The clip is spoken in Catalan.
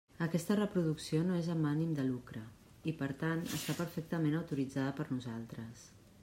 Aquesta reproducció no és amb ànim de lucre, i per tant, està perfectament autoritzada per nosaltres.